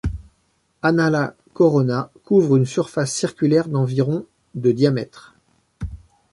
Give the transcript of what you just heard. Anala Corona couvre une surface circulaire d'environ de diamètre.